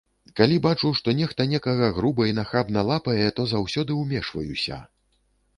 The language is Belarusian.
Калі бачу, што нехта некага груба і нахабна лапае, то заўсёды ўмешваюся.